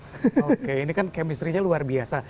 oke ini kan chemistry nya luar biasa